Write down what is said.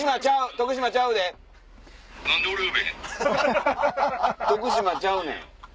徳島ちゃうねん。